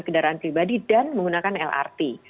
kendaraan pribadi dan menggunakan lrt